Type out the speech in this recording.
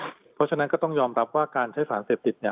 เพราะฉะนั้นก็ต้องยอมรับว่าการใช้สารเสพติด